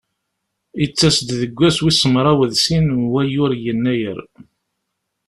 Yettas-d deg wass wis mraw d sin n wayyur n Yennayer.